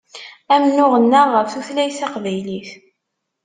Amennuɣ-nneɣ ɣef tutlayt taqbaylit.